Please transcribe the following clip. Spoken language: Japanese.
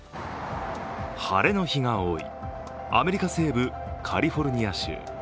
晴れの日が多いアメリカ西部カリフォルニア州。